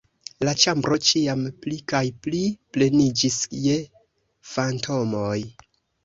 La ĉambro ĉiam pli kaj pli pleniĝis je fantomoj.